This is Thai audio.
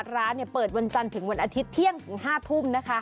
ร้านเปิดวันจันทร์ถึงวันอาทิตย์เที่ยงถึง๕ทุ่มนะคะ